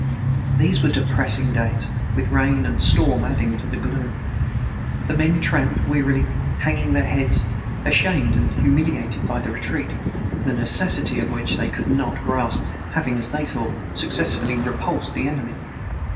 These were depressing days, with rain and storm adding to the gloom. The men tramped wearily, hanging their heads, ashamed and humiliated by the retreat, the necessity of which they could not grasp, having, as they thought, successfully repulsed the enemy.